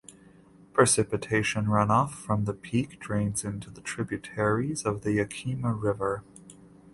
Precipitation runoff from the peak drains into tributaries of the Yakima River.